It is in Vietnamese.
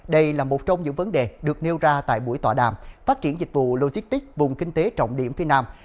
đây là một trong những vấn đề được nêu ra tại buổi tòa đàm phát triển dịch vụ logistics vùng kinh tế trọng điểm phía nam